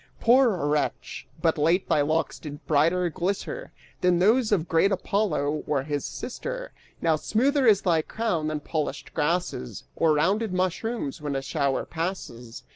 Poor wretch, but late thy locks did brighter glister Than those of great Apollo or his sister! Now, smoother is thy crown than polished grasses Or rounded mushrooms when a shower passes!